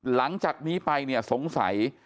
หลังจากนี้ไปสงสัย